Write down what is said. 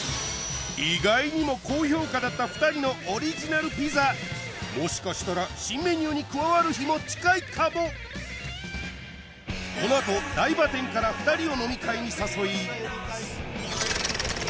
意外にも高評価だった２人のオリジナルピザもしかしたら新メニューに加わる日も近いかもこのあと台場店から２人を飲み会に誘い